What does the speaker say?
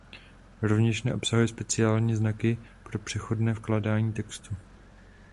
Rovněž neobsahuje speciální znaky pro přechodné vkládání textu.